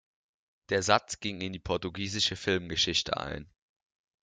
Der Satz ging in die portugiesische Filmgeschichte ein.